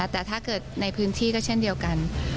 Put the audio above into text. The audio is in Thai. แต่ถ้าเกิดในพื้นที่ก็เช่นเดียวกัน